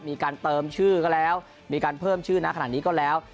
มีการเติมชื่อก็แล้วมีการเพิ่มชื่อนะขนาดนี้ก็แล้ว